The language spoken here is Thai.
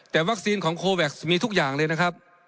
แต่วัคซีนของโคแวคมีทุกอย่างเลยนะครับ